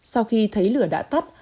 sau khi thấy lửa đã tắt